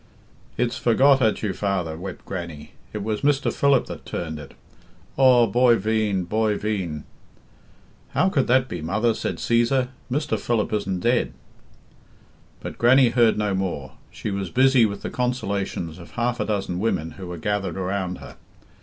"It's forgot at you father," wept Grannie. "It was Mr. Philip that turned it. Aw boy veen! boy veen!" "How could that be, mother?" said Cæsar. "Mr. Philip isn't dead." But Grannie heard no more. She was busy with the consolations of half a dozen women who were gathered around her.